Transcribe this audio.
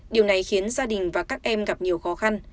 điều này khiến gia đình và các em gặp nhiều khó khăn